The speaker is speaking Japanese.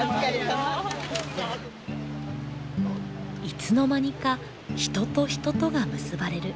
いつの間にか人と人とが結ばれる。